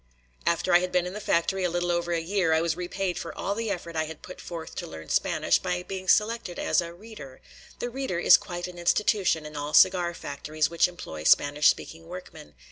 After I had been in the factory a little over a year, I was repaid for all the effort I had put forth to learn Spanish by being selected as "reader." The "reader" is quite an institution in all cigar factories which employ Spanish speaking workmen.